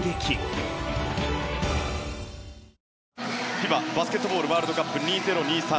ＦＩＢＡバスケットボールワールドカップ２０２３